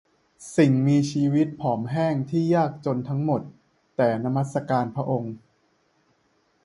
สิ่งมีชีวิตผอมแห้งที่ยากจนทั้งหมด แต่นมัสการพระองค์